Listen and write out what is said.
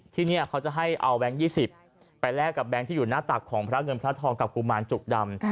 ที่นี่เขาจะให้เอาแบงค์๒๐ไปแลกกับแบงค์ที่อยู่หน้าตักของพระเงินพระทองกับกุมารจุกดำ